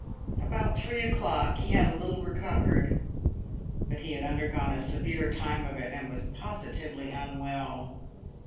About three o'clock he had a little recovered, but he had undergone a severe time of it, and was positively unwell.